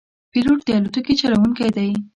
پیلوټ د الوتکې چلوونکی دی.